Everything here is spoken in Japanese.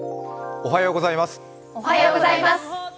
おはようございます。